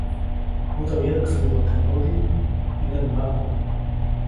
Judä wyäʼksäyumäʼ teʼ nyudiʼ, jiŋäʼuŋ maku.